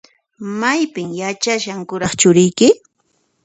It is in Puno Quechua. Maypin yachashan kuraq churiyki?